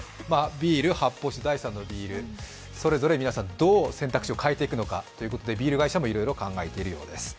ビール、発泡酒、第３のビール、それぞれ皆さん、どう選択肢を変えていくのかということでビール会社もいろいろ考えているようです。